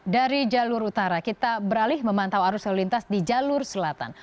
dari jalur utara kita beralih memantau arus lalu lintas di jalur selatan